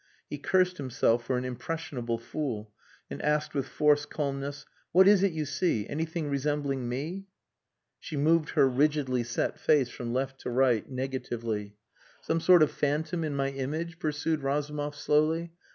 He cursed himself for an impressionable fool, and asked with forced calmness "What is it you see? Anything resembling me?" She moved her rigidly set face from left to right, negatively. "Some sort of phantom in my image?" pursued Razumov slowly.